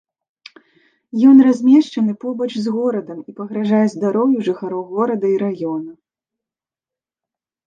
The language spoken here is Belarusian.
Ён размешчаны побач з горадам і пагражае здароўю жыхароў горада і раёна.